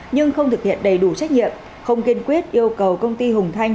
nhưng không thực hiện đầy đủ trách nhiệm không kiên quyết yêu cầu công ty hùng thanh